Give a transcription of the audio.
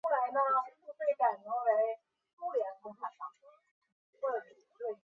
成功布署的太阳能电池板使朱诺号的自转速度降为原来的三分之二。